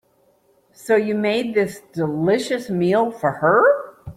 So, you made this delicious meal for her?